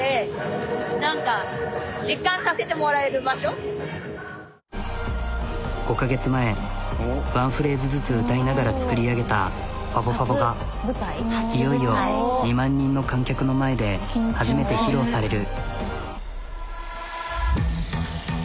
あっ何か５カ月前ワンフレーズずつ歌いながら作り上げた「ＦＡＶＯＦＡＶＯ」がいよいよ２万人の観客の前で初めて披露される。